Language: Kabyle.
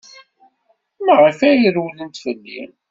Maɣef ay rewlent fell-i?